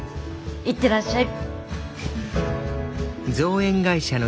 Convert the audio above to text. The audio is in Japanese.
行ってらっしゃい。